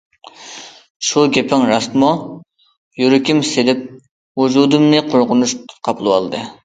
شۇ گېپىڭ راستمۇ؟ يۈرىكىم سېلىپ ۋۇجۇدۇمنى قورقۇنچ قاپلىۋالدى.